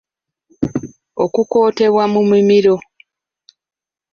Okukootebwa mu mimiro.